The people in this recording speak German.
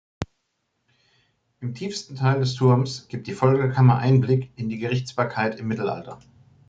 Im tiefsten Teil des Turmes gibt die Folterkammer Einblick in die Gerichtsbarkeit im Mittelalter.